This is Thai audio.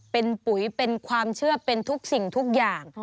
เป็นปุ๋ยเป็นความเชื่อเป็นทุกสิ่งทุกอย่าง